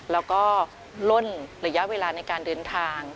แล้วก็ล่นระยะเวลาในการเดินทาง